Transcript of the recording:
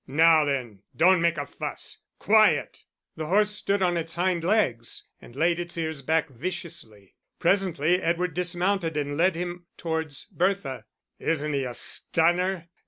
"Now then, don't make a fuss; quiet!" The horse stood on its hind legs and laid its ears back viciously. Presently Edward dismounted and led him towards Bertha. "Isn't he a stunner?